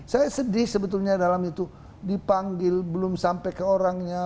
saya sedih sebetulnya dalam itu dipanggil belum sampai ke orangnya